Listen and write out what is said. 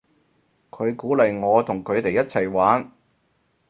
佢鼓勵我同佢哋一齊玩